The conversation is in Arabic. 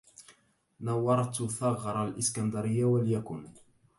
نورت ثغر الإسكندرية وليكن